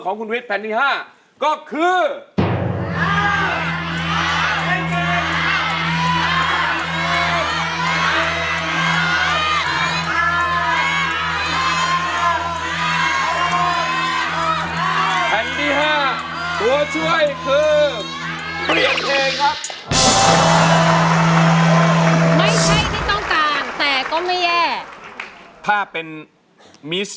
ขอบคุณครับ